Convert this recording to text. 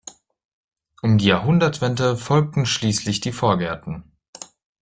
Um die Jahrhundertwende folgten schließlich die Vorgärten.